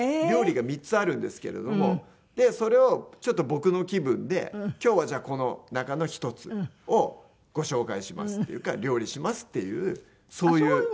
料理が３つあるんですけれどもそれをちょっと僕の気分で今日はじゃあこの中の１つをご紹介しますっていうか料理しますっていうそういう。